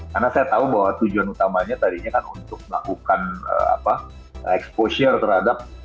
karena saya tahu bahwa tujuan utamanya tadinya kan untuk melakukan exposure terhadap